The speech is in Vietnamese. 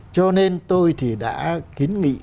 cho nên tôi thì đã kiến nghị